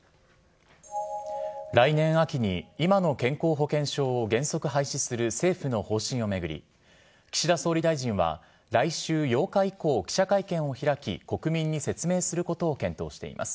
来年秋に、今の健康保険証を原則廃止する政府の方針を巡り、岸田総理大臣は来週８日以降、記者会見を開き、国民に説明することを検討しています。